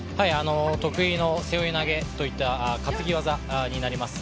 得意の背負い投げといった担ぎ技になります。